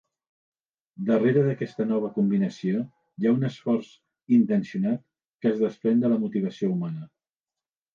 Darrere d'aquesta nova combinació hi ha un esforç intencionat que es desprèn de la motivació humana.